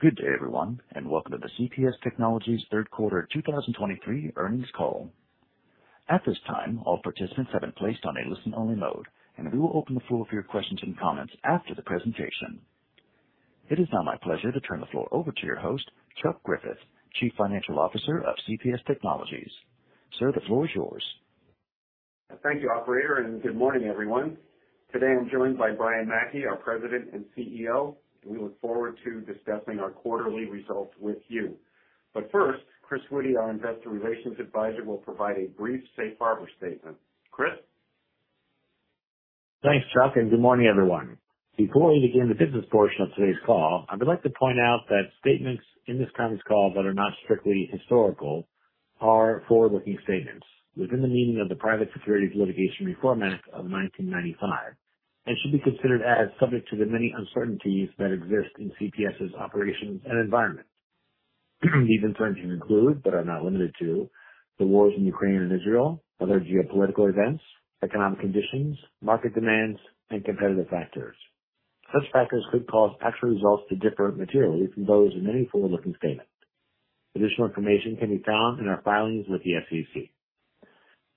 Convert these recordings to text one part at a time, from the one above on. Good day, everyone, and welcome to the CPS Technologies third quarter 2023 earnings call. At this time, all participants have been placed on a listen-only mode, and we will open the floor for your questions and comments after the presentation. It is now my pleasure to turn the floor over to your host, Chuck Griffith, Chief Financial Officer of CPS Technologies. Sir, the floor is yours. Thank you, operator, and good morning, everyone. Today I'm joined by Brian Mackey, our President and CEO, and we look forward to discussing our quarterly results with you. But first, Chris Witty, our Investor Relations Advisor, will provide a brief safe harbor statement. Chris? Thanks, Chuck, and good morning, everyone. Before we begin the business portion of today's call, I would like to point out that statements in this conference call that are not strictly historical are forward-looking statements within the meaning of the Private Securities Litigation Reform Act of 1995, and should be considered as subject to the many uncertainties that exist in CPS's operations and environment. These uncertainties include, but are not limited to, the wars in Ukraine and Israel, other geopolitical events, economic conditions, market demands, and competitive factors. Such factors could cause actual results to differ materially from those of any forward-looking statement. Additional information can be found in our filings with the SEC.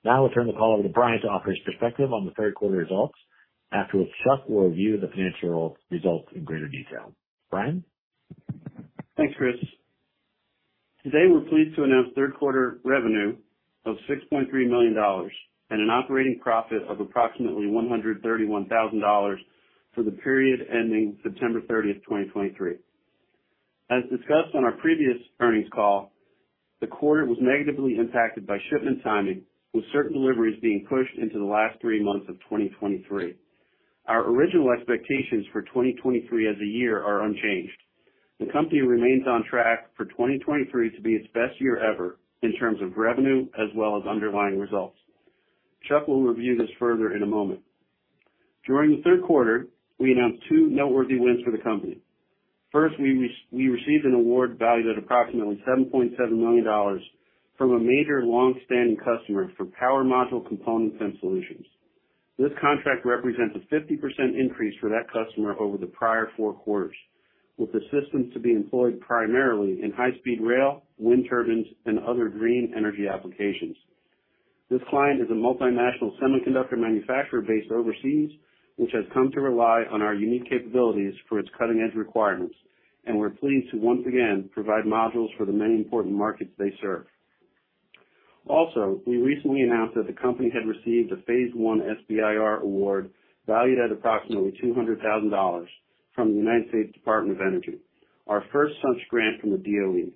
Now I'll turn the call over to Brian to offer his perspective on the third quarter results. After which, Chuck will review the financial results in greater detail. Brian? Thanks, Chris. Today, we're pleased to announce third quarter revenue of $6.3 million and an operating profit of approximately $131,000 for the period ending September 30, 2023. As discussed on our previous earnings call, the quarter was negatively impacted by shipment timing, with certain deliveries being pushed into the last three months of 2023. Our original expectations for 2023 as a year are unchanged. The company remains on track for 2023 to be its best year ever in terms of revenue as well as underlying results. Chuck will review this further in a moment. During the third quarter, we announced two noteworthy wins for the company. First, we received an award valued at approximately $7.7 million from a major long-standing customer for power module components and solutions. This contract represents a 50% increase for that customer over the prior four quarters, with the systems to be employed primarily in high-speed rail, wind turbines, and other green energy applications. This client is a multinational semiconductor manufacturer based overseas, which has come to rely on our unique capabilities for its cutting-edge requirements, and we're pleased to once again provide modules for the many important markets they serve. Also, we recently announced that the company had received a Phase 1 SBIR award valued at approximately $200,000 from the United States Department of Energy, our first such grant from the DOE.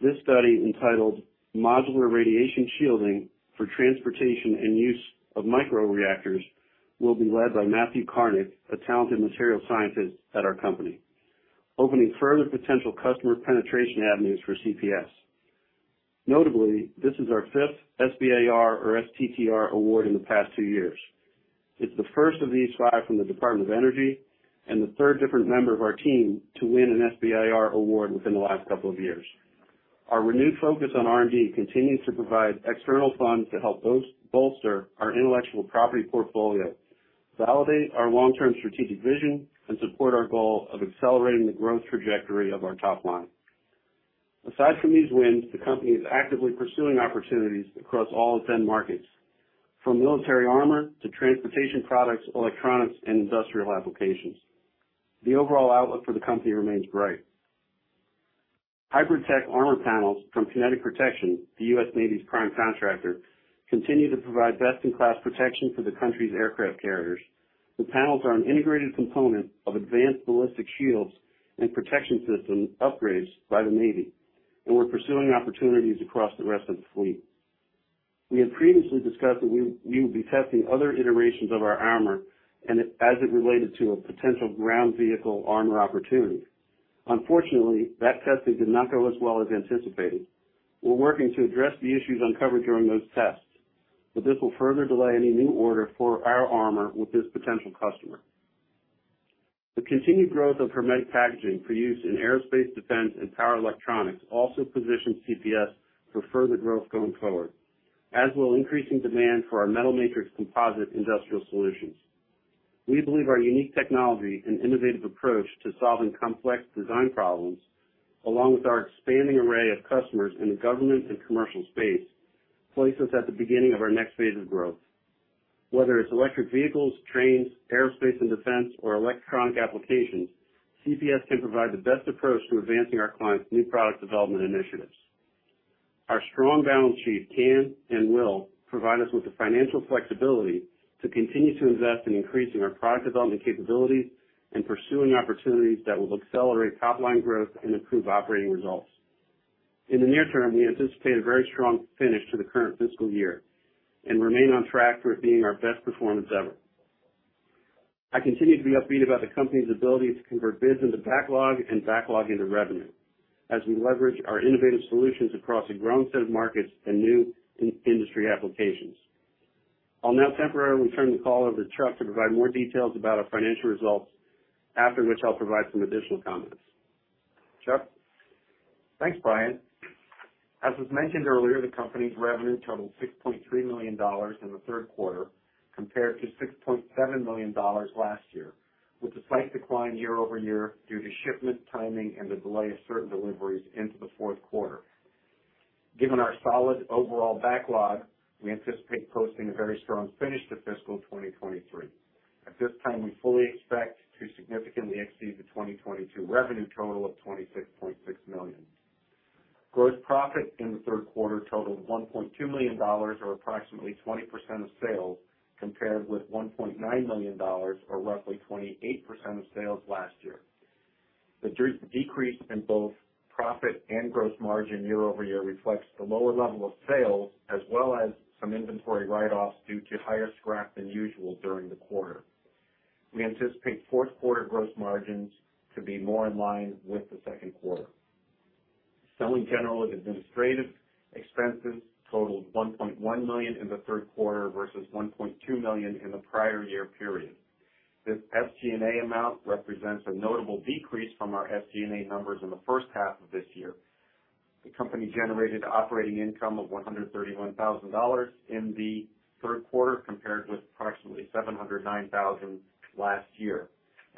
This study, entitled Modular Radiation Shielding for Transportation and Use of Micro-Reactors, will be led by Matthew Karnick, a talented material scientist at our company, opening further potential customer penetration avenues for CPS. Notably, this is our fifth SBIR or STTR award in the past two years. It's the first of these five from the Department of Energy and the third different member of our team to win an SBIR award within the last couple of years. Our renewed focus on R&D continues to provide external funds to help bolster our intellectual property portfolio, validate our long-term strategic vision, and support our goal of accelerating the growth trajectory of our top line. Aside from these wins, the company is actively pursuing opportunities across all end markets, from military armor to transportation products, electronics, and industrial applications. The overall outlook for the company remains bright. HybridTech Armor panels from Kinetic Protection, the U.S. Navy's prime contractor, continue to provide best-in-class protection for the country's aircraft carriers. The panels are an integrated component of advanced ballistic shields and protection system upgrades by the Navy, and we're pursuing opportunities across the rest of the fleet. We had previously discussed that we would be testing other iterations of our armor and as it related to a potential ground vehicle armor opportunity. Unfortunately, that testing did not go as well as anticipated. We're working to address the issues uncovered during those tests, but this will further delay any new order for our armor with this potential customer. The continued growth of hermetic packaging for use in aerospace, defense, and power electronics also positions CPS for further growth going forward, as will increasing demand for our metal matrix composite industrial solutions. We believe our unique technology and innovative approach to solving complex design problems, along with our expanding array of customers in the government and commercial space, places at the beginning of our next phase of growth. Whether it's electric vehicles, trains, aerospace and defense, or electronic applications, CPS can provide the best approach to advancing our clients' new product development initiatives. Our strong balance sheet can and will provide us with the financial flexibility to continue to invest in increasing our product development capabilities and pursuing opportunities that will accelerate top-line growth and improve operating results. In the near term, we anticipate a very strong finish to the current fiscal year and remain on track for it being our best performance ever. I continue to be upbeat about the company's ability to convert business into backlog and backlog into revenue, as we leverage our innovative solutions across a growing set of markets and new industry applications. I'll now temporarily turn the call over to Chuck to provide more details about our financial results, after which I'll provide some additional comments. Chuck? Thanks, Brian. As was mentioned earlier, the company's revenue totaled $6.3 million in the third quarter, compared to $6.7 million last year, with a slight decline year-over-year due to shipment timing and the delay of certain deliveries into the fourth quarter. Given our solid overall backlog, we anticipate posting a very strong finish to fiscal 2023. At this time, we fully expect to significantly exceed the 2022 revenue total of $26.6 million. Gross profit in the third quarter totaled $1.2 million, or approximately 20% of sales, compared with $1.9 million, or roughly 28% of sales last year. The decrease in both profit and gross margin year-over-year reflects the lower level of sales, as well as some inventory write-offs due to higher scrap than usual during the quarter. We anticipate fourth quarter gross margins to be more in line with the second quarter. Selling, general, and administrative expenses totaled $1.1 million in the third quarter versus $1.2 million in the prior year period. This SG&A amount represents a notable decrease from our SG&A numbers in the first half of this year. The company generated operating income of $131,000 in the third quarter, compared with approximately $709,000 last year,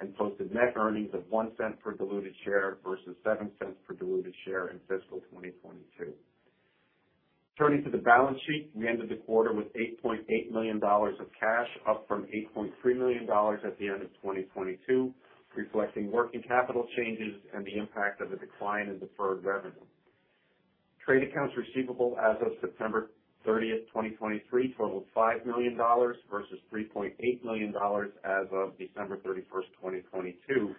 and posted net earnings of $0.01 per diluted share versus $0.07 per diluted share in fiscal 2022. Turning to the balance sheet, we ended the quarter with $8.8 million of cash, up from $8.3 million at the end of 2022, reflecting working capital changes and the impact of a decline in deferred revenue. Trade accounts receivable as of September 30th, 2023, totaled $5 million versus $3.8 million as of December 31st, 2022.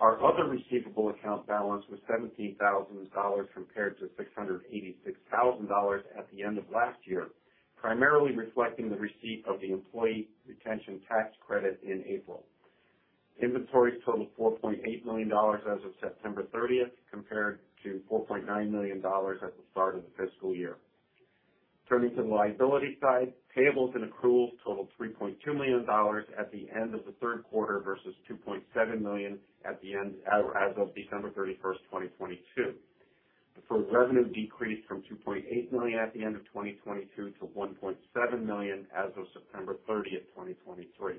Our other receivable account balance was $17,000, compared to $686,000 at the end of last year, primarily reflecting the receipt of the employee retention tax credit in April. Inventories totaled $4.8 million as of September 30th, compared to $4.9 million at the start of the fiscal year. Turning to the liability side, payables and accruals totaled $3.2 million at the end of the third quarter, versus $2.7 million at the end, as of December 31st, 2022. Deferred revenue decreased from $2.8 million at the end of 2022 to $1.7 million as of September 30th, 2023.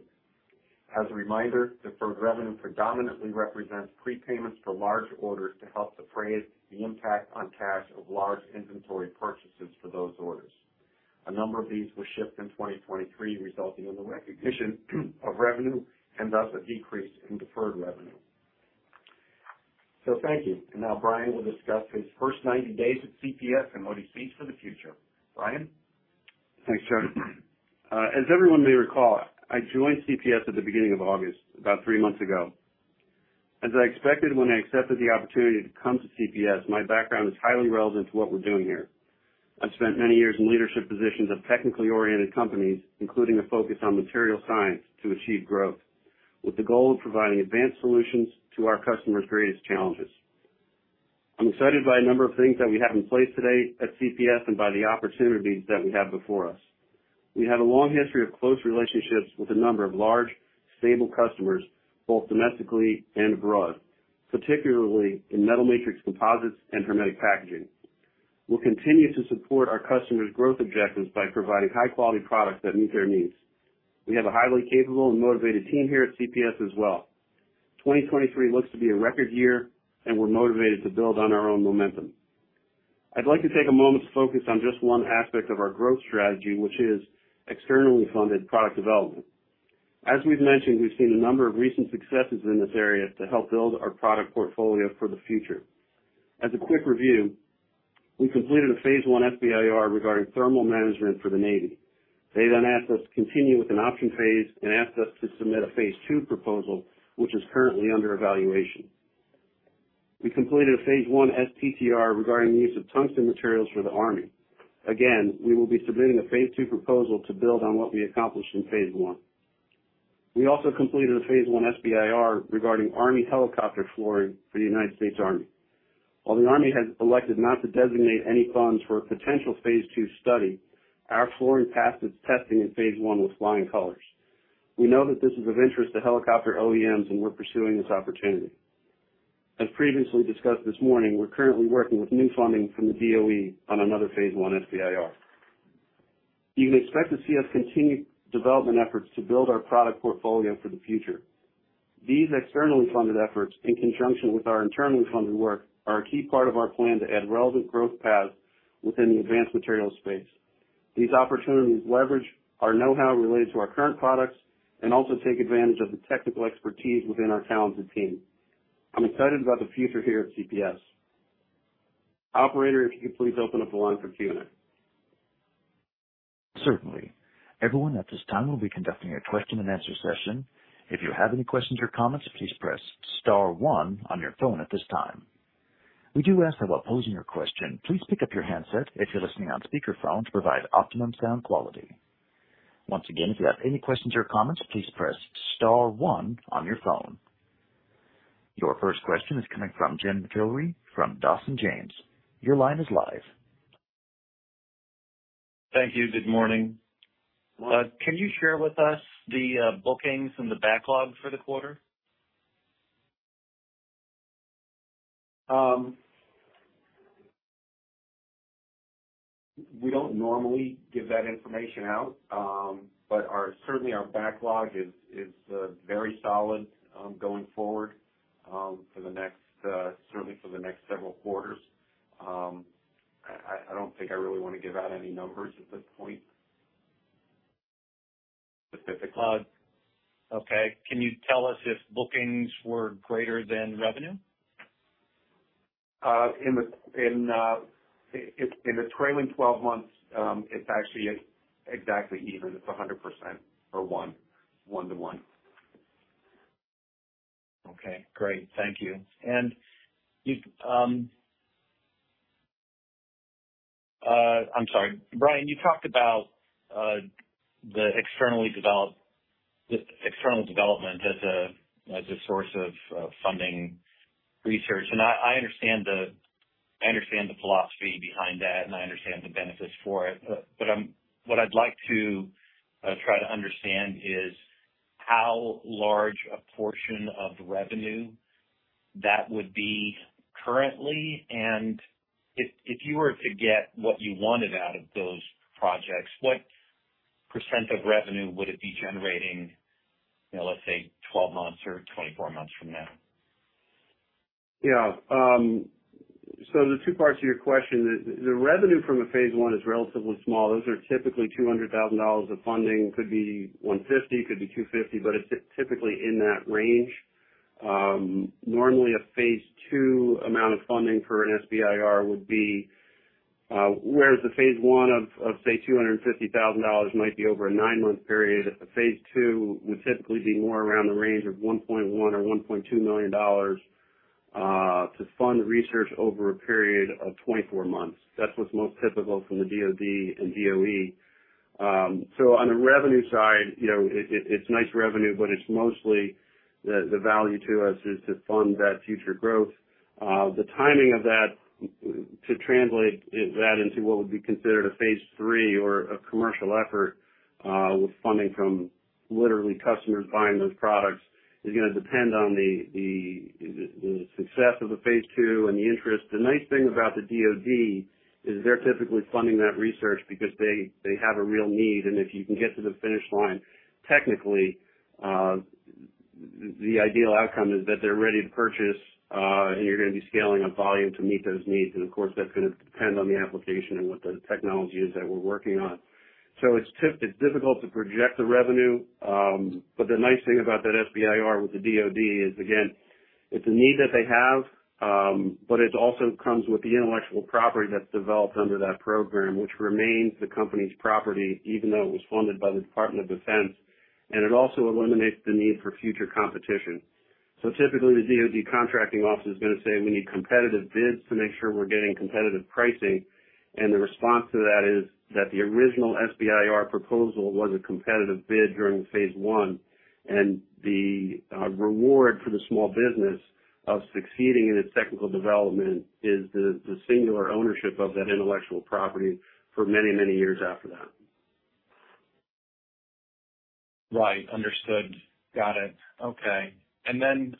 As a reminder, deferred revenue predominantly represents prepayments for large orders to help defray the impact on cash of large inventory purchases for those orders. A number of these were shipped in 2023, resulting in the recognition of revenue and thus a decrease in deferred revenue. So thank you. And now Brian will discuss his first 90 days at CPS and what he sees for the future. Brian? Thanks, Charlie. As everyone may recall, I joined CPS at the beginning of August, about three months ago. As I expected when I accepted the opportunity to come to CPS, my background is highly relevant to what we're doing here. I've spent many years in leadership positions at technically oriented companies, including a focus on material science to achieve growth, with the goal of providing advanced solutions to our customers' greatest challenges. I'm excited by a number of things that we have in place today at CPS and by the opportunities that we have before us. We have a long history of close relationships with a number of large, stable customers, both domestically and abroad, particularly in metal matrix composites and hermetic packaging. We'll continue to support our customers' growth objectives by providing high quality products that meet their needs. We have a highly capable and motivated team here at CPS as well. 2023 looks to be a record year, and we're motivated to build on our own momentum. I'd like to take a moment to focus on just one aspect of our growth strategy, which is externally funded product development. As we've mentioned, we've seen a number of recent successes in this area to help build our product portfolio for the future. As a quick review, we completed a Phase 1 SBIR regarding thermal management for the Navy. They then asked us to continue with an option phase and asked us to submit a Phase 2 proposal, which is currently under evaluation. We completed a Phase 1 STTR regarding the use of tungsten materials for the Army. Again, we will be submitting a Phase 2 proposal to build on what we accomplished in Phase 1. We also completed a Phase 1 SBIR regarding Army helicopter flooring for the United States Army. While the Army has elected not to designate any funds for a potential Phase 2 study, our flooring passed its testing in Phase 1 with flying colors. We know that this is of interest to helicopter OEMs, and we're pursuing this opportunity. As previously discussed this morning, we're currently working with new funding from the DOE on another Phase 1 SBIR. You can expect to see us continue development efforts to build our product portfolio for the future. These externally funded efforts, in conjunction with our internally funded work, are a key part of our plan to add relevant growth paths within the advanced materials space. These opportunities leverage our know-how related to our current products and also take advantage of the technical expertise within our talented team. I'm excited about the future here at CPS. Operator, if you could please open up the line for Q&A. Certainly. Everyone, at this time, we'll be conducting a question-and-answer session. If you have any questions or comments, please press star one on your phone at this time. We do ask that while posing your question, please pick up your handset if you're listening on speakerphone, to provide optimum sound quality. Once again, if you have any questions or comments, please press star one on your phone. Your first question is coming from Jim McIlree from Dawson James. Your line is live. Thank you. Good morning. Can you share with us the bookings and the backlog for the quarter? We don't normally give that information out, but our—certainly our backlog is very solid, going forward, for the next, certainly for the next several quarters. I don't think I really want to give out any numbers at this point. Specific cloud. Okay. Can you tell us if bookings were greater than revenue? In the trailing twelve months, it's actually exactly even. It's 100% or 1:1. Okay, great. Thank you. And you've... I'm sorry, Brian, you talked about the externally developed, the external development as a source of funding research. And I understand the philosophy behind that, and I understand the benefits for it. But what I'd like to try to understand is how large a portion of the revenue that would be currently, and if you were to get what you wanted out of those projects, what % of revenue would it be generating, you know, let's say 12 months or 24 months from now? Yeah. So the two parts to your question, the revenue from the Phase 1 is relatively small. Those are typically $200,000 of funding. Could be $150, could be $250, but it's typically in that range. Normally, a Phase 2 amount of funding for an SBIR would be, whereas the Phase 1 of, say, $250,000 might be over a 9-month period, a Phase 2 would typically be more around the range of $1.1 million or $1.2 million to fund research over a period of 24 months. That's what's most typical from the DOD and DOE. So on the revenue side, you know, it's nice revenue, but it's mostly the value to us is to fund that future growth. The timing of that, to translate that into what would be considered a Phase 3 or a commercial effort, with funding from literally customers buying those products, is going to depend on the success of the Phase 2 and the interest. The nice thing about the DOD is they're typically funding that research because they have a real need. And if you can get to the finish line technically, the ideal outcome is that they're ready to purchase, and you're going to be scaling up volume to meet those needs. And of course, that's going to depend on the application and what the technology is that we're working on. So it's difficult to project the revenue. But the nice thing about that SBIR with the DOD is, again, it's a need that they have, but it also comes with the intellectual property that's developed under that program, which remains the company's property, even though it was funded by the Department of Defense, and it also eliminates the need for future competition. So typically, the DOD contracting officer is going to say, "We need competitive bids to make sure we're getting competitive pricing." And the response to that is that the original SBIR proposal was a competitive bid during Phase 1, and the reward for the small business of succeeding in its technical development is the singular ownership of that intellectual property for many, many years after that. Right. Understood. Got it. Okay. And then,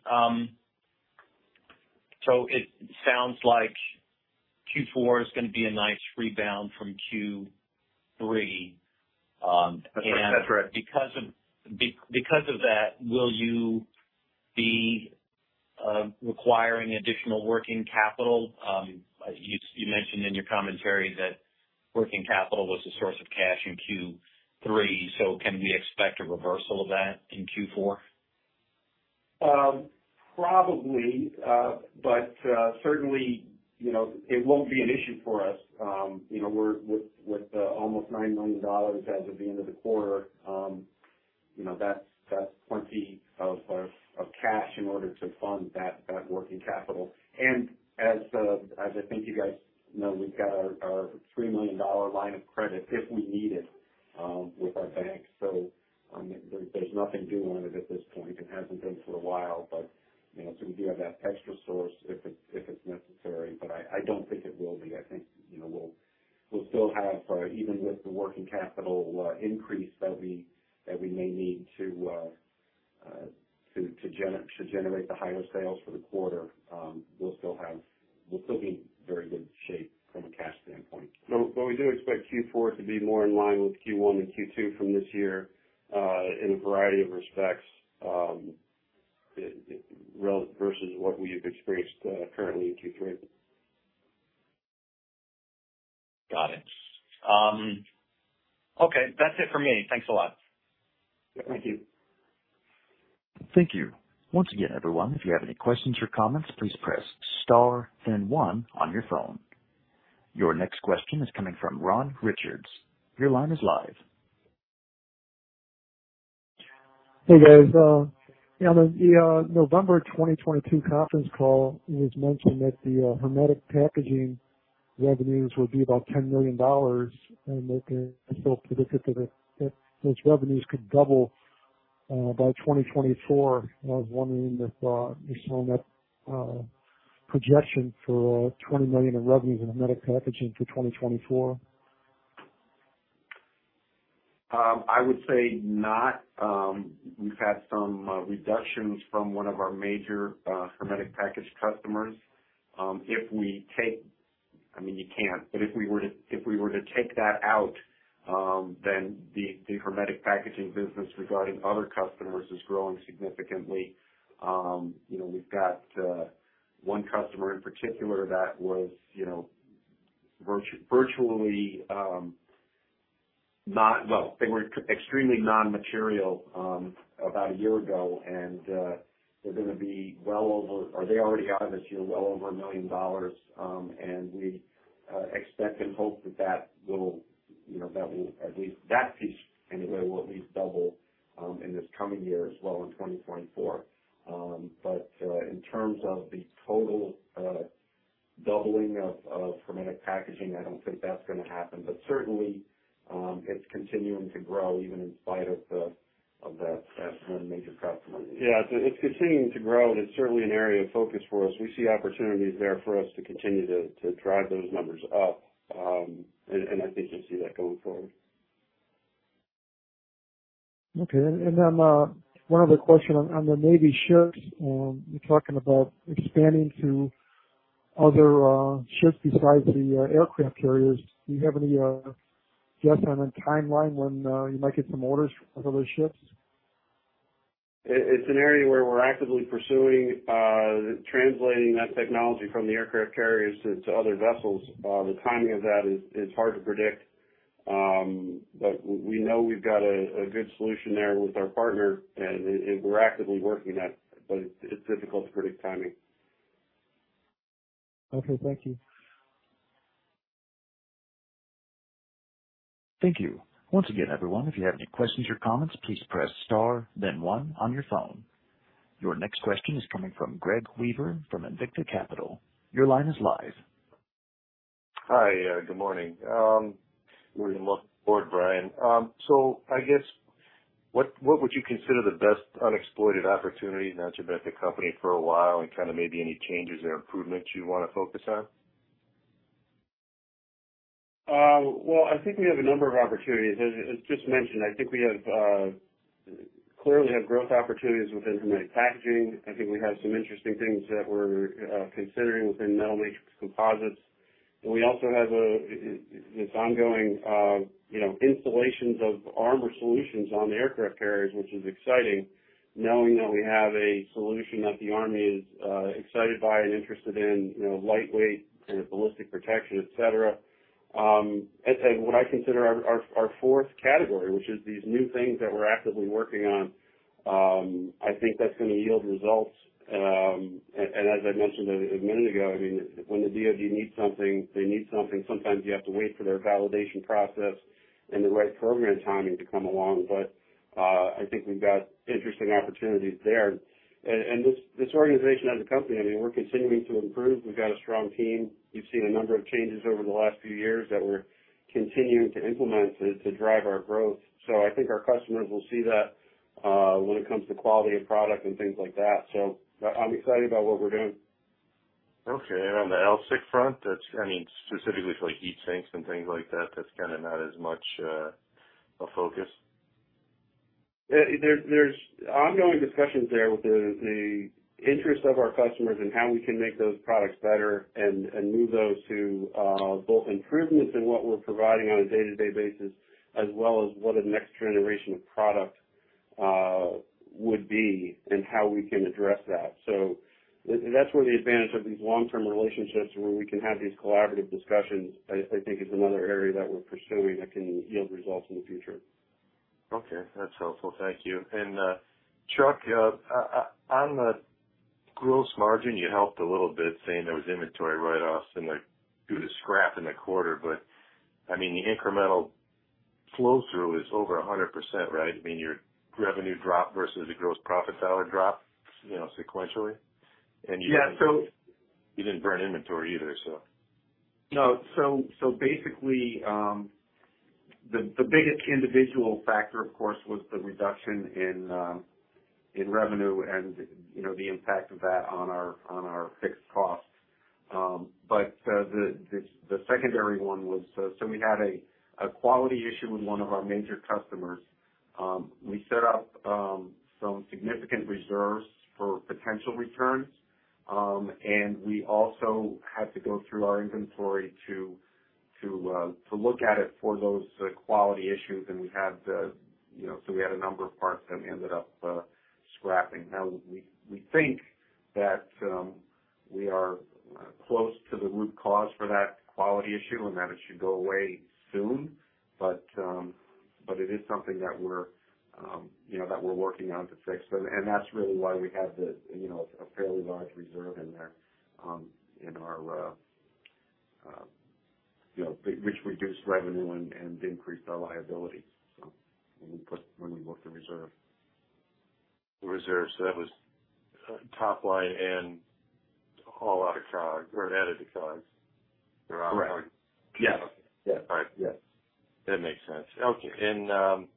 so it sounds like Q4 is going to be a nice rebound from Q3. That's right. Because of that, will you be requiring additional working capital? You mentioned in your commentary that working capital was a source of cash in Q3, so can we expect a reversal of that in Q4? Probably, but certainly, you know, it won't be an issue for us. You know, we're with almost $9 million as of the end of the quarter. You know, that's plenty of cash in order to fund that working capital. As I think you guys know, we've got our $3 million line of credit if we need it with our bank. So, there's nothing to do on it at this point. It hasn't been for a while, but you know, so we do have that extra source if it's necessary. But I don't think it will be. I think, you know, we'll still have even with the working capital increase that we may need to generate the higher sales for the quarter, we'll still be in very good shape from a cash standpoint. But we do expect Q4 to be more in line with Q1 and Q2 from this year in a variety of respects versus what we have experienced currently in Q3. Got it. Okay, that's it for me. Thanks a lot. Thank you. Thank you. Once again, everyone, if you have any questions or comments, please press star then one on your phone. Your next question is coming from Ron Richards. Your line is live. Hey, guys, on the November 2022 conference call, it was mentioned that the Hermetic Packaging revenues would be about $10 million, and that they're still predicted that those revenues could double by 2024. I was wondering if you saw that projection for $20 million in revenues in Hermetic Packaging for 2024? I would say not. We've had some reductions from one of our major hermetic package customers. If we take, I mean, you can't, but if we were to take that out, then the hermetic packaging business regarding other customers is growing significantly. You know, we've got one customer in particular that was, you know, virtually not, well, they were extremely immaterial about a year ago, and they're gonna be well over, or they already are this year, well over $1 million. And we expect and hope that that will, you know, at least, that piece anyway, will at least double in this coming year as well in 2024. But, in terms of the total doubling of hermetic packaging, I don't think that's gonna happen. But certainly, it's continuing to grow, even in spite of that one major customer. Yeah, it's continuing to grow, and it's certainly an area of focus for us. We see opportunities there for us to continue to drive those numbers up. And I think you'll see that going forward. Okay. And then, one other question on the Navy ships. You're talking about expanding to other ships besides the aircraft carriers. Do you have any guess on a timeline when you might get some orders of other ships? It's an area where we're actively pursuing translating that technology from the aircraft carriers to other vessels. The timing of that is hard to predict, but we know we've got a good solution there with our partner, and we're actively working that, but it's difficult to predict timing. Okay. Thank you. Thank you. Once again, everyone, if you have any questions or comments, please press star then one on your phone. Your next question is coming from Greg Weaver from Invicta Capital. Your line is live. Hi. Good morning. Really look forward, Brian. So I guess, what, what would you consider the best unexploited opportunity now that you've been at the company for a while, and kind of maybe any changes or improvements you want to focus on? Well, I think we have a number of opportunities. As just mentioned, I think we clearly have growth opportunities within hermetic packaging. I think we have some interesting things that we're considering within metal matrix composites. And we also have this ongoing, you know, installations of armor solutions on the aircraft carriers, which is exciting, knowing that we have a solution that the Army is excited by and interested in, you know, lightweight and ballistic protection, et cetera. And what I consider our fourth category, which is these new things that we're actively working on, I think that's gonna yield results. And as I mentioned a minute ago, I mean, when the DOD needs something, they need something. Sometimes you have to wait for their validation process and the right program timing to come along. But, I think we've got interesting opportunities there. And this organization as a company, I mean, we're continuing to improve. We've got a strong team. You've seen a number of changes over the last few years that we're continuing to implement to drive our growth. So I think our customers will see that, when it comes to quality of product and things like that. So I'm excited about what we're doing. Okay. And on the AlSiC front, that's, I mean, specifically for like heat sinks and things like that, that's kind of not as much a focus? Yeah, there's ongoing discussions there with the interest of our customers and how we can make those products better and move those to both improvements in what we're providing on a day-to-day basis, as well as what a next generation of product would be and how we can address that. So that's where the advantage of these long-term relationships, where we can have these collaborative discussions, I think is another area that we're pursuing that can yield results in the future. Okay, that's helpful. Thank you. And, Chuck, on the gross margin, you helped a little bit, saying there was inventory write-offs and like, due to scrap in the quarter, but I mean, the incremental flow through is over 100%, right? I mean, your revenue drop versus the gross profit dollar drop, you know, sequentially, and- Yeah, so- You didn't burn inventory either, so. No, so basically, the biggest individual factor, of course, was the reduction in revenue and, you know, the impact of that on our fixed costs. But the secondary one was, so we had a quality issue with one of our major customers. We set up some significant reserves for potential returns, and we also had to go through our inventory to look at it for those quality issues. And we had, you know, so we had a number of parts that we ended up scrapping. Now, we think that we are close to the root cause for that quality issue and that it should go away soon. But it is something that we're, you know, that we're working on to fix. But that's really why we have the, you know, a fairly large reserve in there, in our you know, which reduced revenue and increased our liability, so when we booked the reserve. The reserve. So that was top line and a whole lot of costs or an added to costs? Correct. Yeah. Yeah. All right. Yes, that makes sense. Okay. And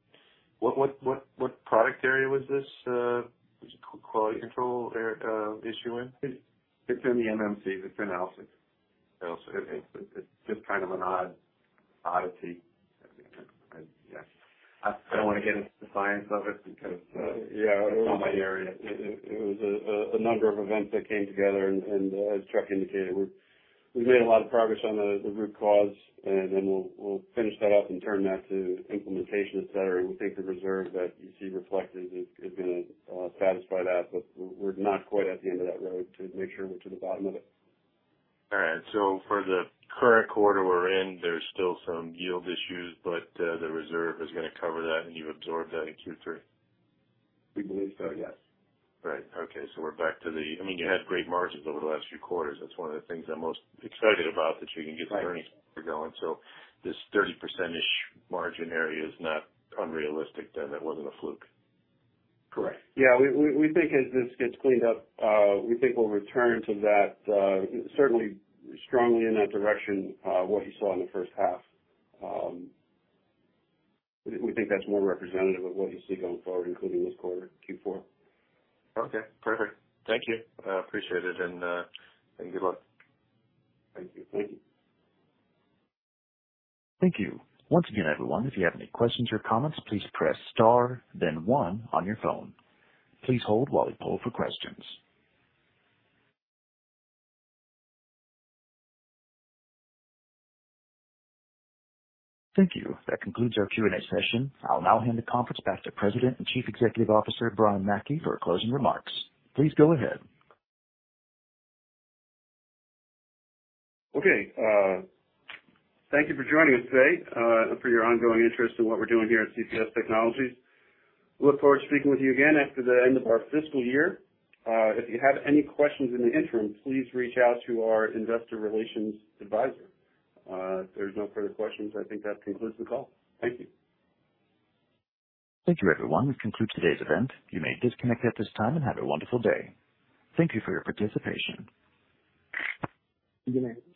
what product area was this, was it quality control issue in? It's in the MMC. It's in AISiC. Okay. It's just kind of an odd oddity. Yeah. I don't want to get into the science of it because- Yeah. It's not my area. It was a number of events that came together, and as Chuck indicated, we've made a lot of progress on the root cause, and then we'll finish that up and turn that to implementation, et cetera. And we think the reserve that you see reflected is going to satisfy that. But we're not quite at the end of that road to make sure we're to the bottom of it. All right. So for the current quarter we're in, there's still some yield issues, but, the reserve is going to cover that and you absorb that in Q3? We believe so, yes. Right. Okay. So we're back to the... I mean, you had great margins over the last few quarters. That's one of the things I'm most excited about, that you can get earnings going. Right. This 30% margin area is not unrealistic, then? It wasn't a fluke. Correct. Yeah. We think as this gets cleaned up, we think we'll return to that, certainly strongly in that direction, what you saw in the first half. We think that's more representative of what you see going forward, including this quarter, Q4. Okay, perfect. Thank you. I appreciate it. And, good luck. Thank you. Thank you. Thank you. Once again, everyone, if you have any questions or comments, please press star then one on your phone. Please hold while we poll for questions. Thank you. That concludes our Q&A session. I'll now hand the conference back to President and Chief Executive Officer, Brian Mackey, for closing remarks. Please go ahead. Okay. Thank you for joining us today, for your ongoing interest in what we're doing here at CPS Technologies. We look forward to speaking with you again after the end of our fiscal year. If you have any questions in the interim, please reach out to our investor relations advisor. If there's no further questions, I think that concludes the call. Thank you. Thank you, everyone. This concludes today's event. You may disconnect at this time and have a wonderful day. Thank you for your participation. Good night.